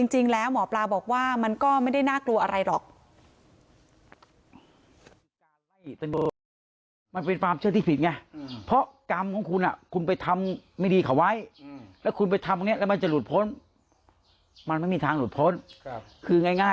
หมอปลาบอกว่ามันก็ไม่ได้น่ากลัวอะไรหรอก